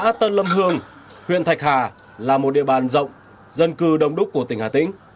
xã tân lâm hương huyện thạch hà là một địa bàn rộng dân cư đông đúc của tỉnh hà tĩnh